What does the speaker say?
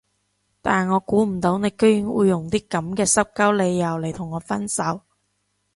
但我估唔到你居然會用啲噉嘅濕鳩理由嚟同我分手